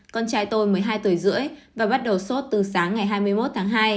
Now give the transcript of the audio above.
con trai tôi một mươi hai tuổi rưỡi và bắt đầu sốt từ sáng ngày hai mươi một tháng hai